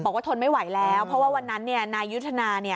ทนไม่ไหวแล้วเพราะว่าวันนั้นนายยุทธนา